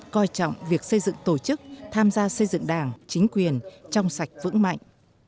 coi trọng việc xây dựng tổ chức tham gia xây dựng đảng chính quyền trong sạch vững mạnh